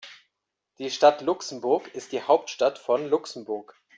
Die Stadt Luxemburg ist die Hauptstadt von Luxemburg.